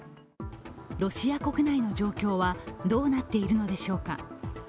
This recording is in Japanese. ロシア国内の状況はどうなっているのでしょうか。